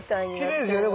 きれいですよね